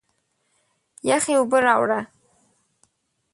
یخي اوبه راړه!